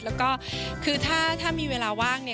แล้วก็คือถ้ามีเวลาว่างเนี่ย